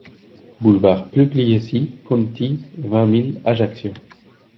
Boulevard Pugliesi Conti, vingt mille Ajaccio